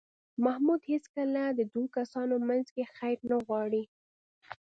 محمود هېڅکله د دو کسانو منځ کې خیر نه غواړي.